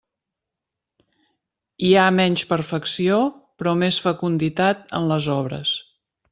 Hi ha menys perfecció, però més fecunditat en les obres.